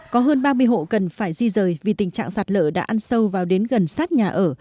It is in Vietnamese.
có hơn ba mươi hộ cần phải di rời vì tình trạng sạt lở đã ăn sâu vào đến gần sát nhà ở